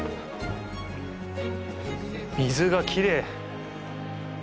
水がきれい。